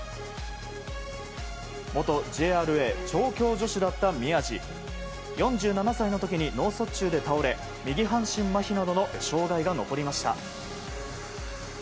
元ＪＲＡ調教助手だった宮路４７歳の時に脳卒中で倒れ右半身まひなどの障害が残りました。